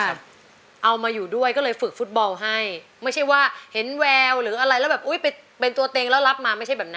เอามาอยู่ด้วยก็เลยฝึกฟุตบอลให้ไม่ใช่ว่าเห็นแววหรืออะไรแล้วแบบอุ้ยไปเป็นตัวเต็งแล้วรับมาไม่ใช่แบบนั้น